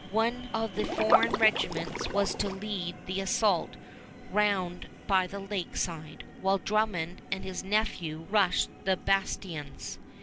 One of the foreign regiments was to lead the assault round by the lake side, while Drummond and his nephew rushed the bastions.